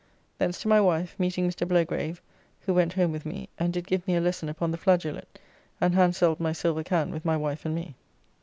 Thence to my wife, meeting Mr. Blagrave, who went home with me, and did give me a lesson upon the flageolet, and handselled my silver can with my wife and me.